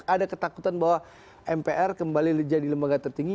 ada ketakutan bahwa mpr kembali jadi lembaga tertinggi